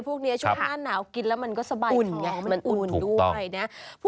พวกนี้ช่วงหน้าหนาวกินแล้วมันก็สบายอุ่นไงมันอุ่นด้วยนะ